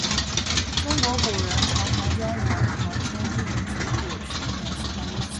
中国古人常常将人和天地及鬼神联系在一起。